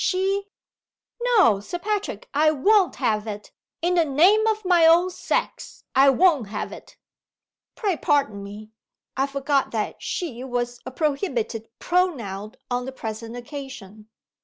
She " "No, Sir Patrick! I won't have it! In the name of my own sex, I won't have it!" "Pray pardon me I forgot that 'she' was a prohibited pronoun on the present occasion.